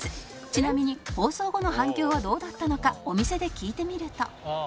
ちなみに放送後の反響はどうだったのかお店で聞いてみると